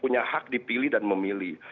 punya hak dipilih dan memilih